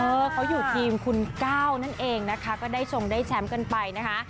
เออเขาอยู่ทีมคุณก้าวนั่นเองนะคะก็ได้ชงได้แชมป์กันไปนะคะ